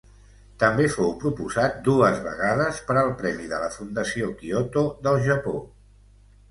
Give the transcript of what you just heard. També fou proposat dues vegades per al Premi de la fundació Kyoto del Japó.